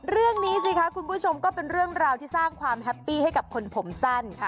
เรื่องนี้สิคะคุณผู้ชมก็เป็นเรื่องราวที่สร้างความแฮปปี้ให้กับคนผมสั้น